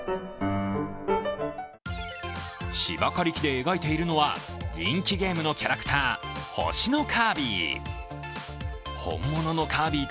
芝刈り機で描いているのは人気ゲームのキャラクター「星のカービィ」。